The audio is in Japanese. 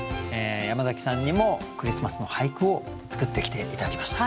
山崎さんにもクリスマスの俳句を作ってきて頂きました。